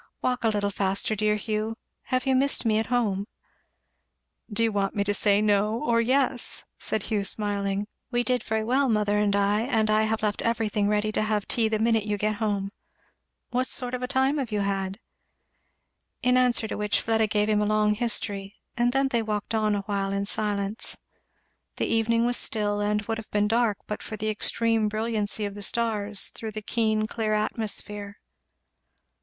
Walk a little faster, dear Hugh. Have you missed me at home?" "Do you want me to say no or yes?" said Hugh smiling. "We did very well mother and I and I have left everything ready to have tea the minute you get home. What sort of a time have you had?" In answer to which Fleda gave him a long history; and then they walked on awhile in silence. The evening was still and would have been dark but for the extreme brilliancy of the stars through the keen clear atmosphere.